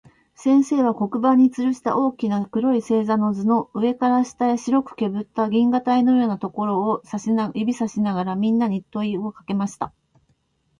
先生は、黒板に吊つるした大きな黒い星座の図の、上から下へ白くけぶった銀河帯のようなところを指さしながら、みんなに問といをかけました。